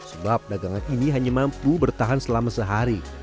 sebab dagangan ini hanya mampu bertahan selama sehari